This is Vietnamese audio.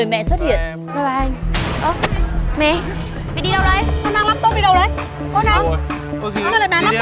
mẹ đi về một mình đi